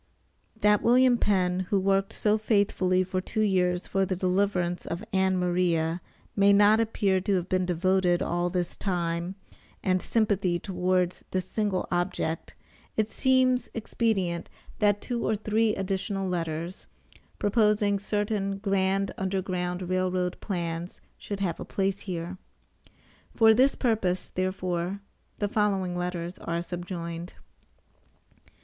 That William Penn who worked so faithfully for two years for the deliverance of Ann Maria may not appear to have been devoting all his time and sympathy towards this single object it seems expedient that two or three additional letters, proposing certain grand Underground Rail Road plans, should have a place here. For this purpose, therefore, the following letters are subjoined.